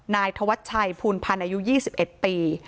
นายธวัชชัยภูลพันธ์อายุ๒๑ปี